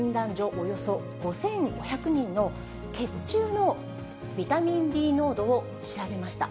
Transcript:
およそ５５００人の血中のビタミンＤ濃度を調べました。